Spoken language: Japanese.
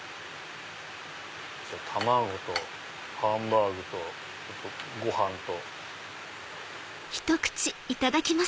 じゃあ卵とハンバーグとご飯と。